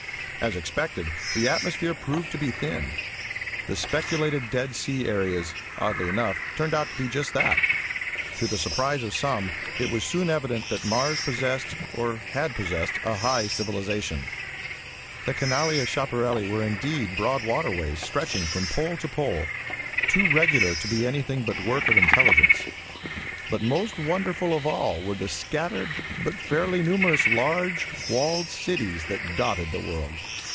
As expected the atmosphere proved to be thin. The speculated dead sea areas, oddly enough, turned out to be just that. To the surprise of some, it was soon evident that Mars possessed, or had possessed, a high civilization. The canali of Schiaparelli were indeed broad waterways stretching from pole to pole, too regular to be anything but the work of intelligence. But most wonderful of all were the scattered, but fairly numerous large, walled cities that dotted the world.